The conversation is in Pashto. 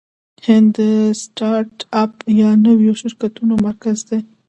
هند د سټارټ اپ یا نویو شرکتونو مرکز دی.